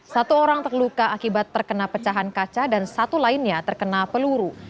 satu orang terluka akibat terkena pecahan kaca dan satu lainnya terkena peluru